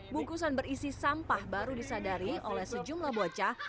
bungkusan berisi sampah baru disadari oleh sejumlah bocah